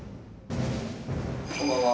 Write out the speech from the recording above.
こんばんは。